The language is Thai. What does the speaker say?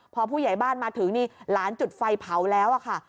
พอผู้ใหญ่บ้านมาถึงนี่หลานจุดไฟเผาแล้วค่ะ